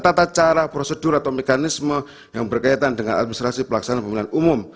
tata cara prosedur atau mekanisme yang berkaitan dengan administrasi pelaksanaan pemilihan umum